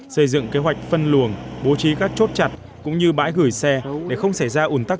xây dựng kế hoạch phân luồng bố trí các chốt chặt cũng như bãi gửi xe để không xảy ra ủn tắc